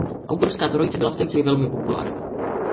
Autorská trojice byla v té době velmi populární.